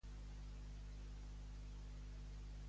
Què volien fer les nenes, abans de donar comiat?